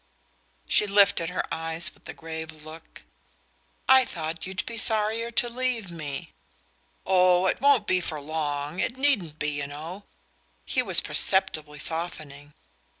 She lifted her eyes with a grave look. "I thought you'd be sorrier to leave me." "Oh, it won't be for long it needn't be, you know." He was perceptibly softening.